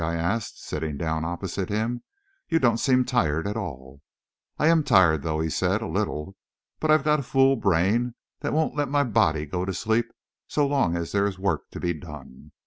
I asked, sitting down opposite him. "You don't seem tired at all." "I am tired, though," he said, "a little. But I've got a fool brain that won't let my body go to sleep so long as there is work to be done.